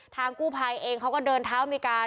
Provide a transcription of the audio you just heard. ทางกู้พายเองเขาก็เดินเท้า